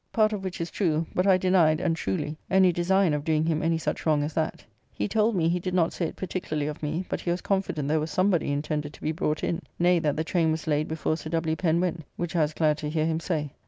Part of which is true, but I denied, and truly, any design of doing him any such wrong as that. He told me he did not say it particularly of me, but he was confident there was somebody intended to be brought in, nay, that the trayne was laid before Sir W. Pen went, which I was glad to hear him say.